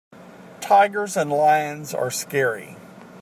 Tigers and lions are scary.